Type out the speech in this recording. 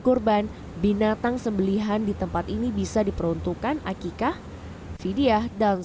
kurban binatang untuk memperbaiki dan menjaga keamanan dan memperbaiki keamanan dan memperbaiki keamanan